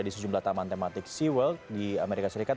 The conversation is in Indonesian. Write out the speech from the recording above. di sejumlah taman tematik seaworld di amerika serikat